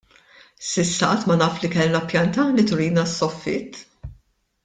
S'issa qatt ma naf li kellna pjanta li turina s-soffitt.